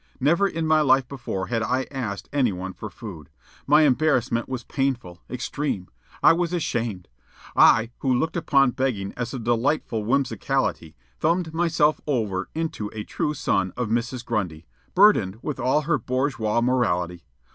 Never in my life before had I asked any one for food. My embarrassment was painful, extreme. I was ashamed. I, who looked upon begging as a delightful whimsicality, thumbed myself over into a true son of Mrs. Grundy, burdened with all her bourgeois morality.